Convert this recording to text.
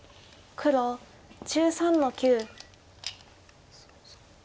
黒１３の九。